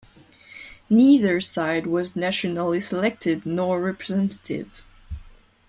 Neither side was nationally selected, nor representative.